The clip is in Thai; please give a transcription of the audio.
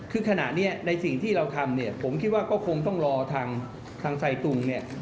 คือขณะนี้ในสิ่งที่เราทำเนี่ยผมคิดว่าก็คงต้องรอทางไซตุงเนี่ย